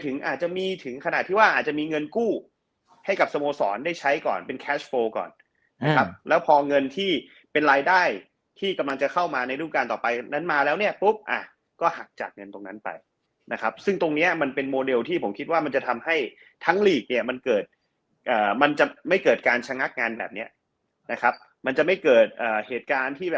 ถึงอาจจะมีถึงขนาดที่ว่าอาจจะมีเงินกู้ให้กับสโมสรได้ใช้ก่อนเป็นแคชโฟล์ก่อนนะครับแล้วพอเงินที่เป็นรายได้ที่กำลังจะเข้ามาในรูปการณ์ต่อไปนั้นมาแล้วเนี้ยปุ๊บอ่ะก็หักจากเงินตรงนั้นไปนะครับซึ่งตรงเนี้ยมันเป็นโมเดลที่ผมคิดว่ามันจะทำให้ทั้งเนี้ยมันเกิดอ่ามันจะไม่เกิดก